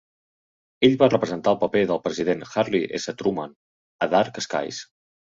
Ell va representar el paper del president Harry S. Truman a "Dark Skies".